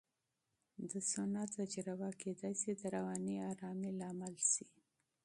د سونا تجربه کېدای شي د رواني آرامۍ لامل شي.